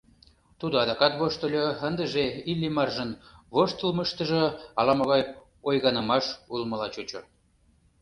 Тудо адак воштыльо, ындыже Иллимаржын воштылмыштыжо ала-могай ойганымаш улмыла чучо.